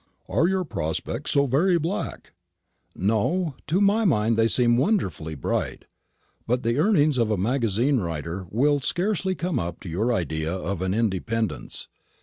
"Are your prospects so very black?" "No; to my mind they seem wonderfully bright. But the earnings of a magazine writer will scarcely come up to your idea of an independence.